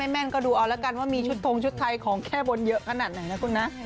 แม่นก็ดูเอาละกันว่ามีชุดทงชุดไทยของแก้บนเยอะขนาดไหนนะคุณนะ